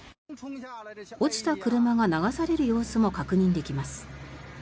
落ちた車が流される様子も確認できます。